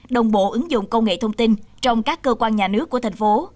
đồng bộ ứng dụng công nghệ thông tin trong các cơ quan nhà nước của thành phố